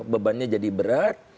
bebannya jadi berat